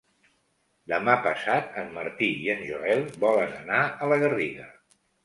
Demà passat en Martí i en Joel volen anar a la Garriga.